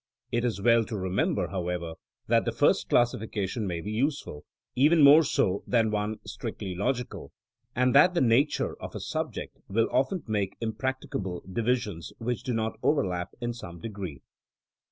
It is well to remember, however, that the first classification may be useful — even more so than one strictly logical, and that the nature of a subject will often make impracticable, divis ions which do not overlap in some degree.